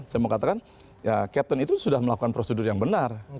saya mau katakan ya captain itu sudah melakukan prosedur yang benar